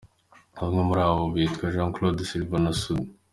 Bamwe muri abo hari abitwa ; Jean Claude, Silva na Sudi.